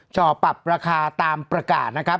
จ่อปรับราคาตามประกาศนะครับ